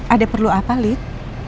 ada perlu apa lid